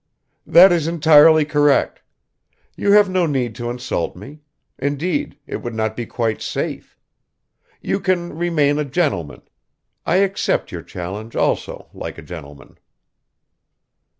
"That is entirely correct. You have no need to insult me; indeed it would not be quite safe ... you can remain a gentleman ... I accept your challenge also like a gentleman."